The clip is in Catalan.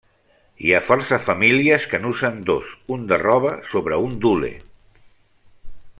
Hi ha força famílies que n'usen dos, un de roba sobre un d'hule.